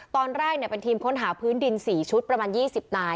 ตอนแรกเป็นทีมค้นหาพื้นดิน๔ชุดประมาณ๒๐นาย